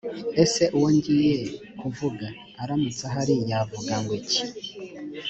ese uwo ngiye kuvuga aramutse ahari yavuga ngo iki‽